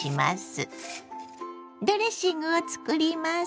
ドレッシングを作ります。